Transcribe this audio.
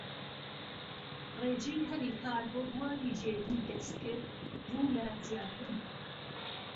ڕێژەی هەلی کار بۆ بواری ژیریی دەستکرد ڕوو لە زیادبوونە